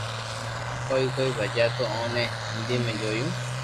ڪوئي ڪوئي بچيا تو اوڻي ھنڌي ۾ جويو